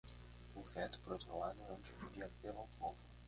O veto, por outro lado, é um tipo de apelo ao povo.